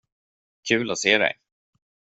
Kul att se dig.